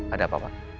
ada apa pak